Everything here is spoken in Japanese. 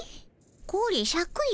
これシャクよ。